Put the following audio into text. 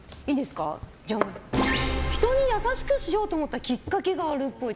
人に優しくしようと思ったきっかけがあるっぽい。